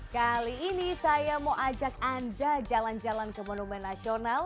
kali ini saya mau ajak anda jalan jalan ke monumen nasional